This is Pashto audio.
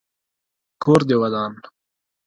کور دي ودان .